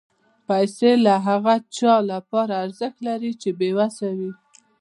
پېسې د هغه چا لپاره ارزښت لري چې بېوسه وي.